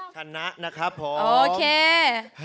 ชนะนะครับผมโอเค